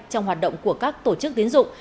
trong hoạt động của các tổ chức tiến dụng